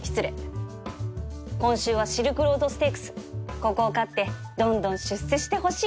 ここを勝ってどんどん出世してほしい！